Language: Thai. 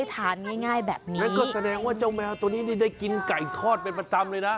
มันก็แสดงว่าเจ้าแมวตัวนี้ได้กินไก่ทอดเป็นประจำเลยนะ